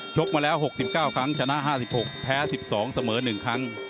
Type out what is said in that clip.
กมาแล้ว๖๙ครั้งชนะ๕๖แพ้๑๒เสมอ๑ครั้ง